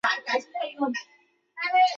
祖父陈尹英。